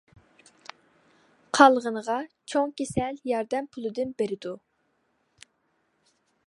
قالغىنىغا چوڭ كېسەل ياردەم پۇلىدىن بېرىدۇ.